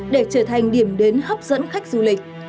để trở thành điểm đến hấp dẫn khách du lịch